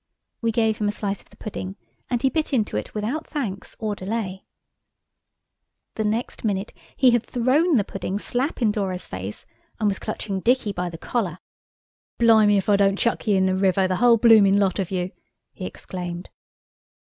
We gave him a slice of the pudding, and he bit into it without thanks or delay. The next minute he had thrown the pudding slap in Dora's face, and was clutching Dicky by the collar. "Blime if I don't chuck ye in the river, the whole bloomin' lot of you!" he exclaimed.